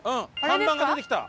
看板が出てきた。